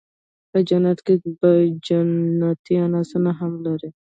په جنت کي به جنيان آسونه هم لري